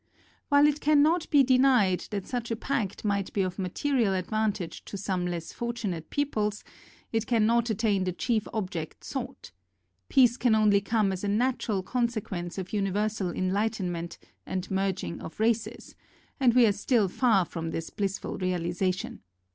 While it can not be denied that such a pact might be of material advantage to some less fortunate peoples, it can not attain the chief object sought. Peace can only come as a natural con sequence of universal enlightenment and merging of races, and we are still far from this blissful realization.